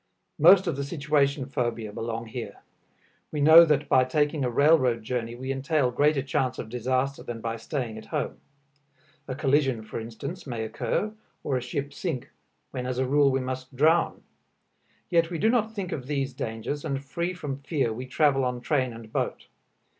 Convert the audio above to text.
Most of the situation phobia belong here. We know that by taking a railroad journey we entail greater chance of disaster than by staying at home. A collision, for instance, may occur, or a ship sink, when as a rule we must drown; yet we do not think of these dangers, and free from fear we travel on train and boat.